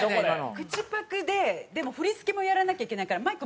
口パクででも振り付けもやらなきゃいけないからマイク